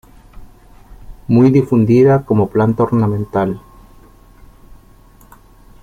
Muy difundida como planta ornamental.